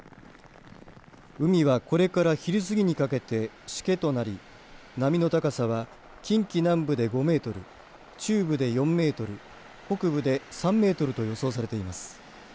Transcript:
海はこれから昼過ぎにかけてしけとなり、波の高さは近畿南部で５メートル中部で４メートル北部で３メートルと予想されています。